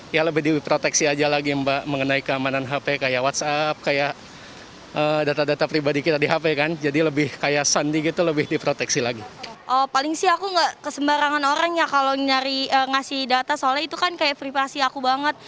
nah kalau ngasih data soalnya itu kan kayak privasi aku banget